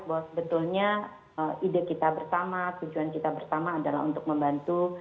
bahwa sebetulnya ide kita bersama tujuan kita bersama adalah untuk membantu